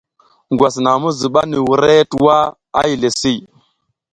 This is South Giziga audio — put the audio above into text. Ngwas naƞ mi zuɓa ni wurehe tuwa a yile si.